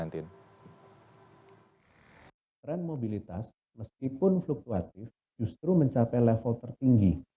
trend mobilitas meskipun fluktuatif justru mencapai level tertinggi